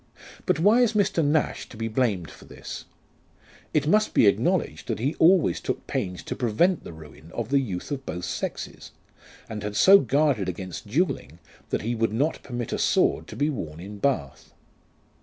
But why is Mr. Nash to be blamed for this ? It must be acknowledged, that he always took pains to prevent the ruin of the youth of both sexes, and had so guarded against duelling, that he would not permit a sword to be worn in Bath.